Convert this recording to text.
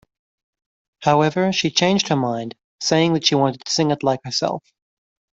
However, she changed her mind, saying that she wanted to sing it like herself.